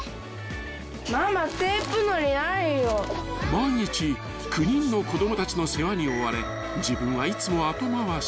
［毎日９人の子供たちの世話に追われ自分はいつも後回し］